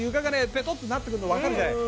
ベトってなってくるの分かるじゃない。